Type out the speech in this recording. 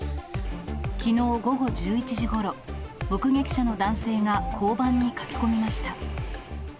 きのう午後１１時ごろ、目撃者の男性が交番に駆け込みました。